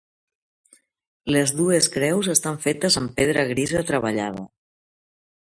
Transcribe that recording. Les dos creus estan fetes amb pedra grisa treballada.